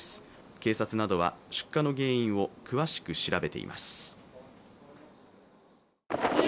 警察などは出火の原因を詳しく調べています。